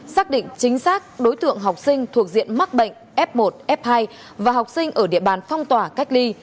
xác định chính xác đối tượng học sinh thuộc diện mắc bệnh f một f hai và học sinh ở địa bàn phong tỏa cách ly